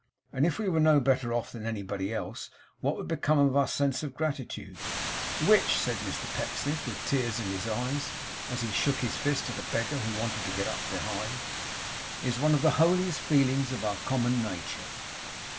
And if we were no better off than anybody else, what would become of our sense of gratitude; which,' said Mr Pecksniff with tears in his eyes, as he shook his fist at a beggar who wanted to get up behind, 'is one of the holiest feelings of our common nature.